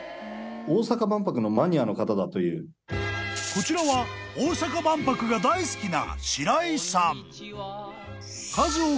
［こちらは大阪万博が大好きな］